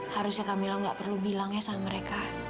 harusnya kamila gak perlu bilang ya sama mereka